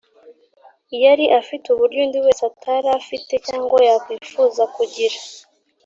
Yari afite uburyo undi wese atari afite, cyangwa yakwifuza kugira